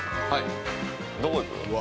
◆どこ行く？